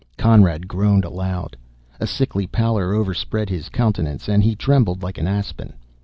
'" Conrad groaned aloud. A sickly pallor overspread his countenance, and he trembled like an aspen.